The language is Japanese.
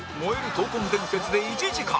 闘魂伝説で１時間